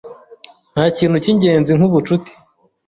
Ntakintu cyingenzi nkubucuti.